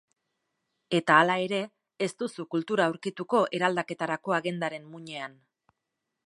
Eta hala ere, ez duzu kultura aurkituko eraldaketarako agendaren muinean.